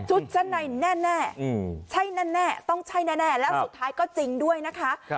ชั้นในแน่ใช่แน่ต้องใช่แน่แล้วสุดท้ายก็จริงด้วยนะคะ